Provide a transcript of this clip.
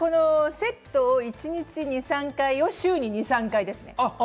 セットを一日２、３回週に２、３回です。